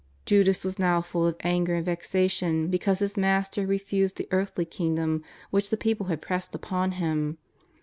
Judas was now full of anger and vexation because his Master had refused the earthly kingdom which the peo ple had pressed upon Him.